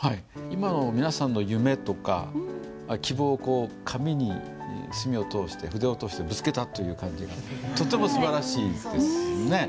今の皆さんの夢とか希望を紙に墨を通して筆を通してぶつけたという感じがとてもすばらしいですね。